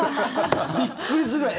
びっくりするぐらい。